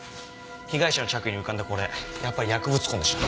被害者の着衣に浮かんだこれやっぱり薬物痕でした。